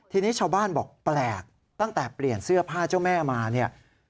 ทีนี้ชาวบ้านบอกแปลกตั้งแต่เปลี่ยนเสื้อผ้าเจ้าแม่มาเนี่ย